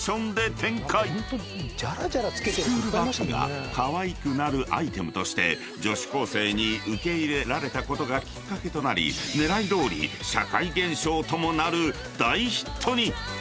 ［スクールバッグがかわいくなるアイテムとして女子高生に受け入れられたことがきっかけとなり狙いどおり社会現象ともなる］